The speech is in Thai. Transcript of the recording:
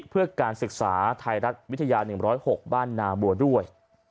เพื่อการศึกษาไทยรัฐวิทยา๑๐๖บ้านนาบัวด้วย